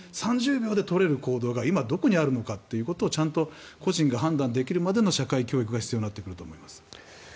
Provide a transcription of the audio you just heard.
３０秒で取れる行動が今、どこにあるかというのを個人が判断できるまでの社会教育が必要になってくると思います。